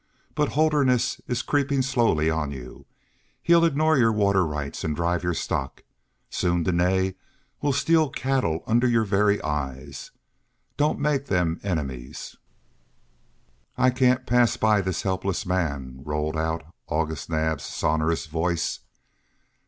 But Holderness is creeping slowly on you. He'll ignore your water rights and drive your stock. Soon Dene will steal cattle under your very eyes. Don't make them enemies." "I can't pass by this helpless man," rolled out August Naab's sonorous voice.